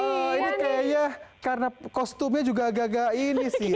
oh ini kayaknya karena kostumnya juga agak agak ini sih